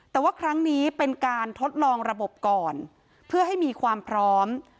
แต่ว่าครั้งนี้เป็นการทดลองระบบก่อนเพื่อให้มีความพร้อม